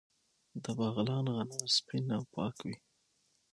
د بغلان غنم سپین او پاک وي.